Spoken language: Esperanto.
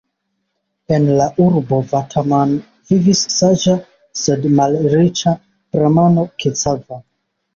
En la urbo Vataman vivis saĝa, sed malriĉa bramano Kecava.